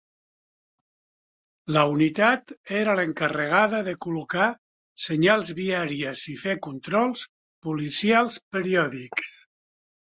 La unitat era l'encarregada de col·locar senyals viàries i fer controls policials periòdics.